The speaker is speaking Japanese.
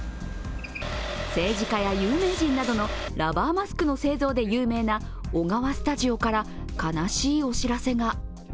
政治家や有名人などのラバーマスクの製造で有名なオガワスタジオから悲しいお知らせが。